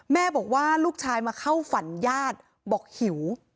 แม่บอกว่าลูกชายมาเข้าฝันญาติบอกหิว